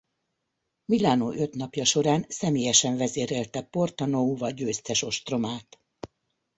Milánó öt napja során személyesen vezérelte Porta Nuova győztes ostromát.